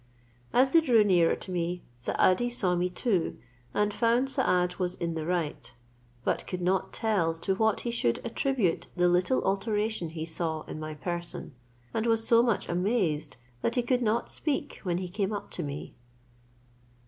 As they drew nearer to me, Saadi saw me too, and found Saad was in the right, but could not tell to what he should attribute the little alteration he saw in my person; and was so much amazed, that he could not speak when he came up to me.